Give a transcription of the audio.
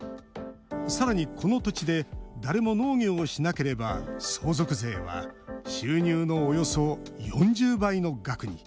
さらに、この土地で誰も農業をしなければ相続税は収入のおよそ４０倍の額に。